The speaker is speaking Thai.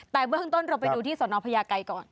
แต่เมื่อขึ้นต้นเราไปดูที่สอนอพยาไกรก่อน